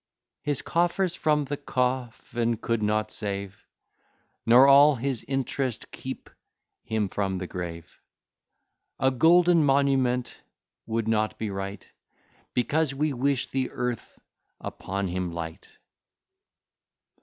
His coffers from the coffin could not save, Nor all his int'rest keep him from the grave. A golden monument would not be right, Because we wish the earth upon him light.